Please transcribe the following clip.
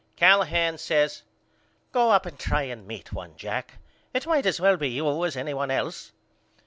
Callahan says Go up and try to meet one Jack. It might as well be you as anybody else.